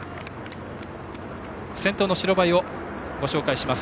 先導の白バイをご紹介します。